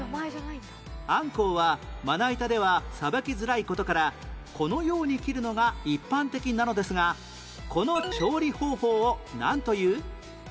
アンコウはまな板ではさばきづらい事からこのように切るのが一般的なのですがこの調理方法をなんという？